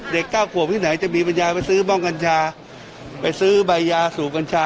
เก้าขวบที่ไหนจะมีปัญญาไปซื้อบ้องกัญชาไปซื้อใบยาสูบกัญชา